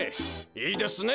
いいですね！